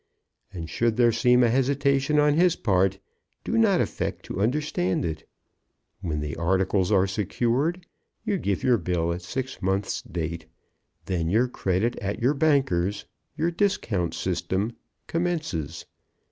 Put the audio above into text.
And should there seem a hesitation on his part, do not affect to understand it. When the articles are secured, you give your bill at six months' date; then your credit at your bankers, your discount system, commences.